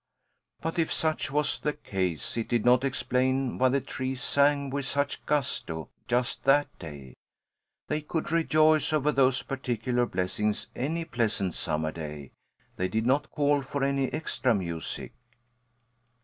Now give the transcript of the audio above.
But if such was the case, it did not explain why the trees sang with such gusto just that day; they could rejoice over those particular blessings any pleasant summer day; they did not call for any extra music.